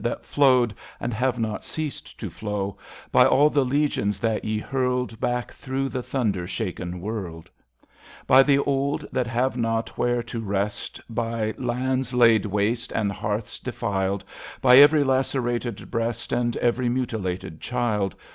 That flowed, and have not ceased to flow, By all the legions that ye hurled Back thro' the thunder shaken world ; By the old that have not where to rest, By lands laid waste and hearths defiled, By every lacerated breast, And every mutilated child.